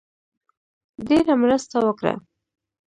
ډېره مرسته وکړه.